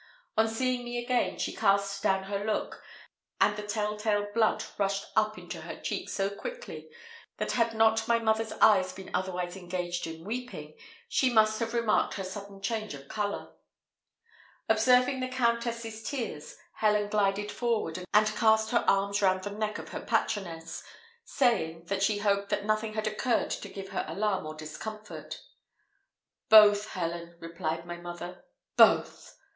On seeing me again, she cast down her look, and the tell tale blood rushed up into her cheek so quickly, that had not my mother's eyes been otherwise engaged in weeping, she must have remarked her sudden change of colour. Observing the Countess's tears, Helen glided forward, and cast her arms round the neck of her patroness, saying, that she hoped that nothing had occurred to give her alarm or discomfort. "Both, Helen," replied my mother; "both!"